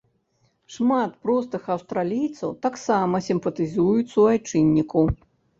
Шмат простых аўстралійцаў таксама сімпатызуюць суайчынніку.